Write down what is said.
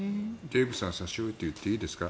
デーブさんを差し置いて言っていいですか？